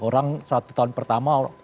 orang satu tahun pertama